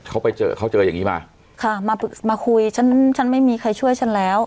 เขาไปเจอเขาเจออย่างงี้มาค่ะมาคุยฉันฉันไม่มีใครช่วยฉันแล้ว